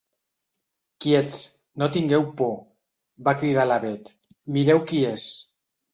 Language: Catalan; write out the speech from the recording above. Quiets, no tingueu por! —va cridar la Bet— Mireu qui és!